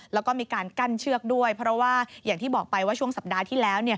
แล้วก็มีการกั้นเชือกด้วยเพราะว่าอย่างที่บอกไปว่าช่วงสัปดาห์ที่แล้ว